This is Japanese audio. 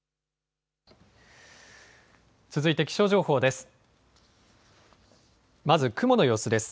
続いて気象情報です。